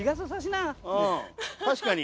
確かに。